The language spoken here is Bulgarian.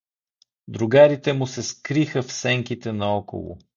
Другарите му се скриха в сенките наоколо.